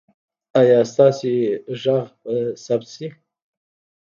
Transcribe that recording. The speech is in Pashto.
ایا ستاسو غږ به ثبت شي؟